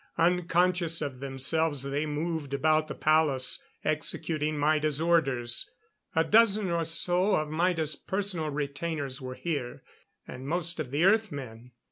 Unconscious of themselves they moved about the palace, executing Maida's orders. A dozen or so of Maida's personal retainers were here and most of the Earth men.